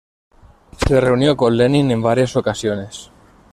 Se reunió con Lenin en varias ocasiones.